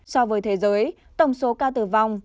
so với thế giới tổng số ca tử vong